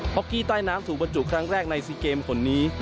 ็อกกี้ใต้น้ำถูกบรรจุครั้งแรกในซีเกมคนนี้